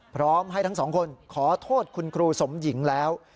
พร้อมให้ทั้งสองคนขอโทษคุณครูสมหญิงแล้ว